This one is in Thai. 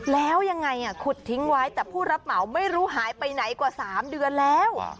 แล้วยังไงขุดทิ้งไว้แต่ผู้รับเหมาไม่รู้หายไปไหนกว่า๓เดือนแล้ว